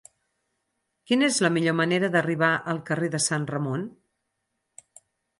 Quina és la millor manera d'arribar al carrer de Sant Ramon?